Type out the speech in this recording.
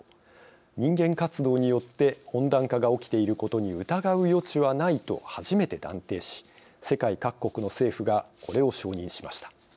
人間活動によって温暖化が起きていることに疑う余地はないと初めて断定し、世界各国の政府がこれを承認しました。